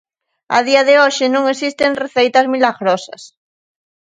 A día de hoxe non existen receitas milagrosas.